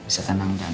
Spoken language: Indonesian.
bisa tenang dan